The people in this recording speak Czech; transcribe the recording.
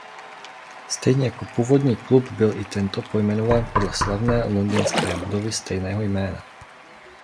Stejně jako původní klub byl i tento pojmenován podle slavné londýnské budovy stejného jména.